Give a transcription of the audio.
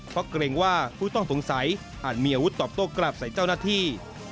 เพราะเกรงว่าผู้ต้องสงสัยอาจมีอาวุธตอบโต้กลับใส่เจ้าหน้าที่